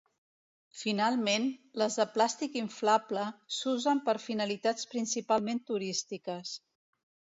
Finalment, les de plàstic inflable s'usen per finalitats principalment turístiques.